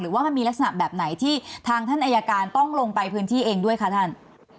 ว่ามันมีลักษณะแบบไหนที่ทางท่านอายการต้องลงไปพื้นที่เองด้วยคะท่าน